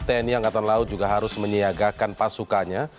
tni angkatan laut juga harus menyiagakan pasukannya